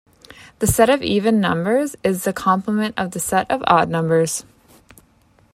The set of even numbers is the complement of the set of odd numbers.